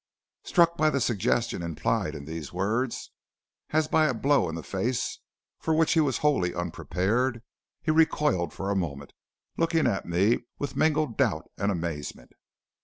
"Struck by the suggestion implied in these words, as by a blow in the face for which he was wholly unprepared, he recoiled for a moment, looking at me with mingled doubt and amazement.